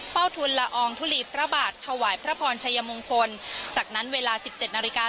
ทุนละอองทุลีพระบาทถวายพระพรชัยมงคลจากนั้นเวลาสิบเจ็ดนาฬิกา